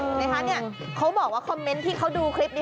นะคะเนี่ยเขาบอกว่าคอมเมนต์ที่เขาดูคลิปนี้